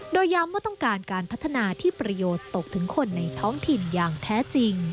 โดยย้ำว่าต้องการการพัฒนาที่ประโยชน์ตกถึงคนในท้องถิ่นอย่างแท้จริง